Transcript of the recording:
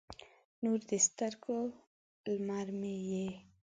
نور د سترګو، لمر مې یې